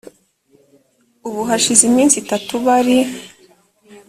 ubu hashize iminsi itatu bari